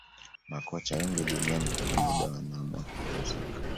makocha wengi duniani kuna muda wanaamua kupumzika